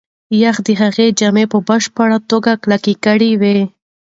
یخ د هغې جامې په بشپړه توګه کلکې کړې وې.